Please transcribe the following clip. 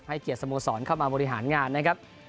เกียรติสโมสรเข้ามาบริหารงานนะครับ